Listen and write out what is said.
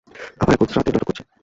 আবার এখন শ্রাদ্ধের নাটক করছেন।